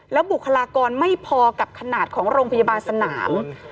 บุคลากรไม่พอกับขนาดของโรงพยาบาลสนาม